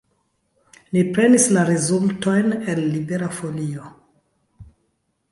Ni prenis la rezultojn el Libera Folio.